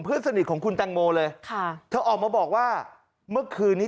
เพื่อนสนิทของคุณแตงโมเลยค่ะเธอออกมาบอกว่าเมื่อคืนนี้